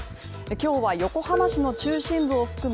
今日は横浜市の中心部を含む